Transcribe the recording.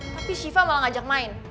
tapi shiva malah ngajak main